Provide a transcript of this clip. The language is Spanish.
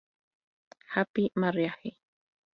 Happy Marriage!?